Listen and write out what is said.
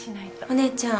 お姉ちゃん。